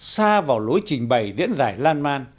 xa vào lối trình bày diễn giải lan man